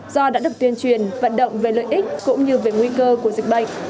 do đã được tuyên truyền vận động về lợi ích cũng như về nguy cơ của dịch bệnh